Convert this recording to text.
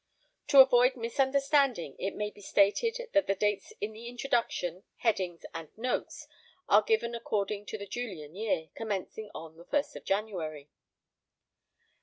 To avoid misunderstanding, it may be stated that the dates in the Introduction, headings, and notes are given according to the Julian year, commencing on 1st January.